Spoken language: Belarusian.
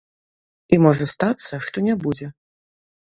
І можа стацца, што не будзе.